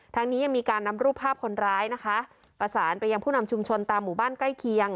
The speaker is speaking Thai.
ยังมีการนำรูปภาพคนร้ายนะคะประสานไปยังผู้นำชุมชนตามหมู่บ้านใกล้เคียง